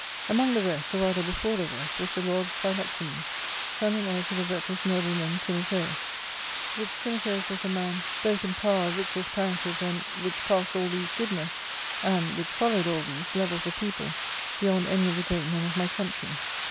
" Among the rest, or rather before the rest, was the lord Philoxenus, son and heir to the virtuous nobleman Timotheus, which Timotheus was a man, both in power, riches, parentage^ and (which passed all these) goodness, and (which followed all these) love of the people, beyond any of the great men of my country.